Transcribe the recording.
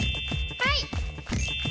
はい！